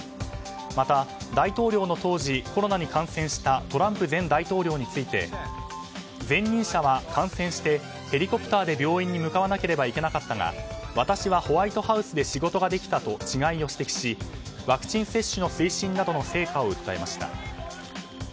また大統領の当時コロナに感染したトランプ前大統領について前任者は感染してヘリコプターで病院に向かわなければいけなかったが私はホワイトハウスで仕事ができたと違いを指摘しワクチン接種の推進などの成果を訴えました。